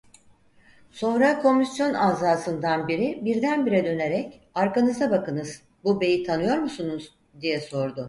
Sonra komisyon azasından biri birdenbire dönerek: "Arkanıza bakınız, bu beyi tanıyor musunuz?" diye sordu.